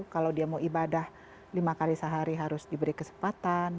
kalau dia mau ibadah lima kali sehari harus diberi kesempatan